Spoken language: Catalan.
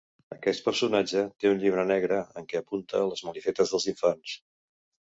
Aquest personatge té un llibre negre en què apunta les malifetes dels infants.